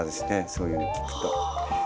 そういうの聞くと。